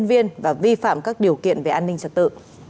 và vi phạm các điều kiện về an ninh trật tự